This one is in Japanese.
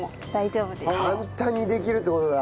簡単にできるって事だ。